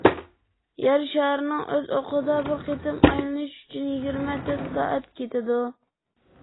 يەر شارىنىڭ ئۆز ئوقىدا بىر قېتىم ئايلىنىشى ئۈچۈن يىگىرمە تۆت سائەت كېتىدۇ.